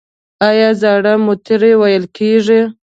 آیا زاړه موټرې ویلې کیږي؟